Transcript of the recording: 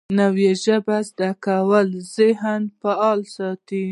نوې ژبه زده کول ذهن فعال ساتي